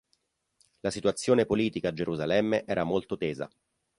La situazione politica a Gerusalemme era molto tesa.